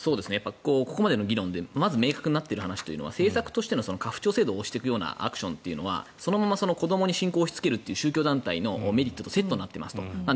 ここまでの議論で明確になっている話は政策としての家父長制度を推していくようなアクションはそのまま子どもに信仰を押しつけるという宗教団体のメリットとセットになっていると思います。